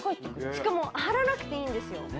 しかも貼らなくていいんですよ。